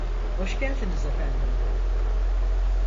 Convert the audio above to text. Hoş geldiniz efendim.